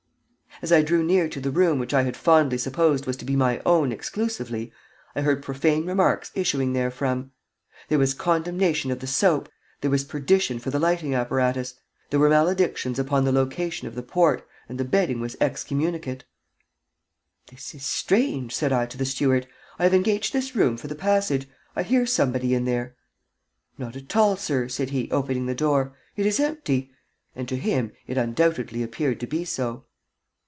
As I drew near to the room which I had fondly supposed was to be my own exclusively I heard profane remarks issuing therefrom. There was condemnation of the soap; there was perdition for the lighting apparatus; there were maledictions upon the location of the port, and the bedding was excommunicate. "This is strange," said I to the steward. "I have engaged this room for the passage. I hear somebody in there." "Not at all, sir," said he, opening the door; "it is empty." And to him it undoubtedly appeared to be so.